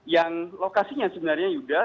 yang lokasinya sebenarnya yuda